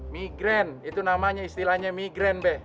migren itu namanya istilahnya migren be